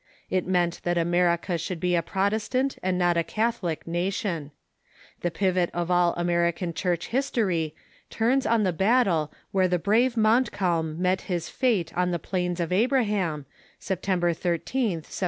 It meant that America should be a Protestant, and not a Catholic, nation. The pivot of all American Church history turns on the battle where the brave Montcalm met his fate on the plains of Abraham, September 13th, 1759.